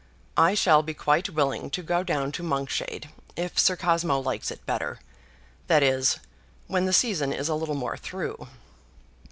"I shall be quite willing to go down to Monkshade, if Sir Cosmo likes it better; that is, when the season is a little more through."